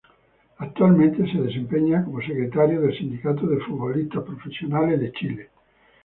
Actualmente, se desempeña como Secretario del Sindicato de Futbolistas Profesionales de Chile.